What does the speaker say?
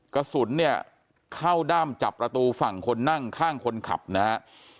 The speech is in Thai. กระสุนเนี่ยเข้าด้ามจับประตูฝั่งคนนั่งข้างคนขับนะฮะ